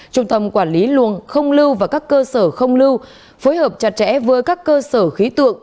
trung tâm quản lý luồng không lưu và các cơ sở không lưu phối hợp chặt chẽ với các cơ sở khí tượng